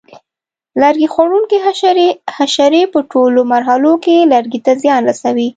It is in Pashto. لرګي خوړونکي حشرې: حشرې په ټولو مرحلو کې لرګیو ته زیان رسوي.